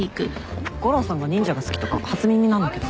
悟郎さんが忍者が好きとか初耳なんだけど。